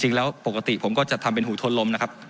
จริงแล้วปกติผมก็จะทำเป็นหูทนลมนะครับ